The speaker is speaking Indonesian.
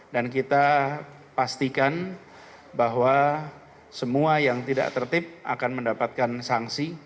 dan kita pastikan bahwa semua yang tidak tertip akan mendapatkan sanksi